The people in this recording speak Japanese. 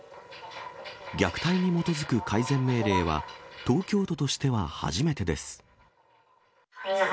虐待に基づく改善命令は、東京都としては初めてです。